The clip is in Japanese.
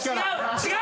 違う？